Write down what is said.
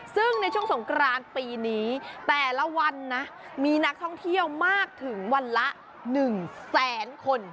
ซึ่งในช่วงสงกรานปีนี้แต่ละวันนะมีนักท่องเที่ยวมากถึงวันละ๑แสนคน